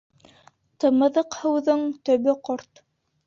Тымыҙыҡ һыуҙың төбө ҡорт.